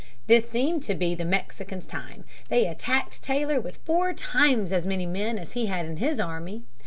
This seemed to be the Mexicans' time. They attacked Taylor with four times as many men as he had in his army.